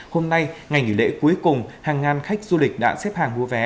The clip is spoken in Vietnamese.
hôm nay ngày nghỉ lễ cuối cùng hàng ngàn khách du lịch đã xếp hàng mua vé